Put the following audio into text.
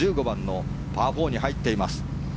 １５番のパー４に入っています。